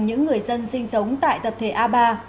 những người dân sinh sống tại tập thể a ba hai mươi bảy